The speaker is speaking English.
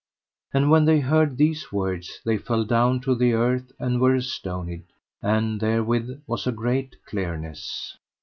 And when they heard these words they fell down to the earth and were astonied; and therewith was a great clearness.